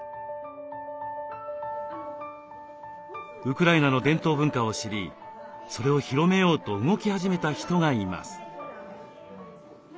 ウクライナの伝統文化を知りそれを広めようと動き始めた人がいます。